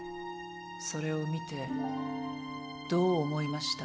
それを見てどう思いました？